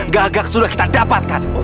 gagak sudah kita dapatkan